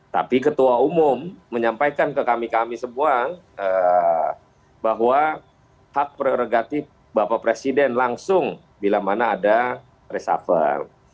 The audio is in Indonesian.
tapi ketua umum menyampaikan ke kami kami semua bahwa hak prerogatif bapak presiden langsung bila mana ada reshuffle